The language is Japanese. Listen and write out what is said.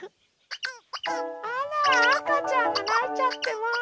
あらあかちゃんがないちゃってまあ。